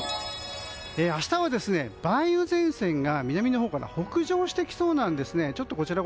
明日は、梅雨前線が南のほうから北上してきそうなんですね。